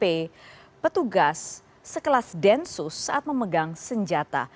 pt petugas sekelas densus saat memegang senjata